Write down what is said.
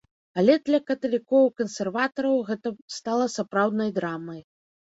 Але для каталікоў-кансерватараў гэта стала сапраўднай драмай.